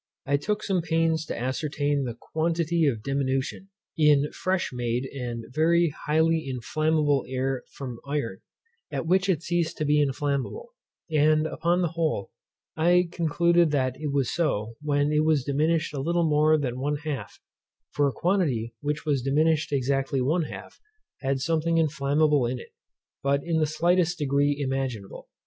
I took some pains to ascertain the quantity of diminution, in fresh made and very highly inflammable air from iron, at which it ceased to be inflammable, and, upon the whole, I concluded that it was so when it was diminished a little more than one half; for a quantity which was diminished exactly one half had something inflammable in it, but in the slightest degree imaginable.